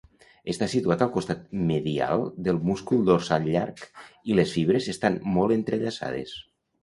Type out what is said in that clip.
Està situat al costat medial del múscul dorsal llarg, i les fibres estant molt entrellaçades.